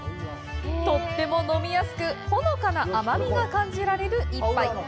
とっても飲みやすくほのかな甘みが感じられる一杯。